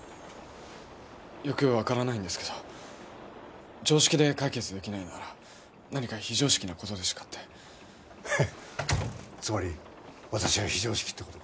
よく分からないんですけど常識で解決できないなら何か非常識なことでしかってつまり私が非常識ってことか？